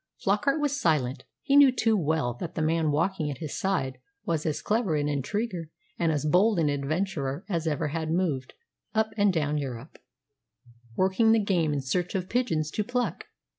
Flockart was silent. He knew too well that the man walking at his side was as clever an intriguer and as bold an adventurer as had ever moved up and down Europe "working the game" in search of pigeons to pluck.